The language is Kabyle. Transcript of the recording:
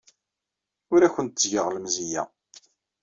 Ur awent-ttgeɣ lemzeyya.